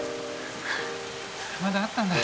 まだあったんだ